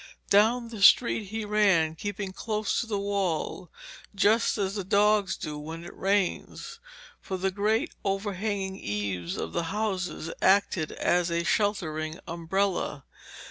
Down the street he ran, keeping close to the wall, just as the dogs do when it rains. For the great overhanging eaves of the houses act as a sheltering umbrella.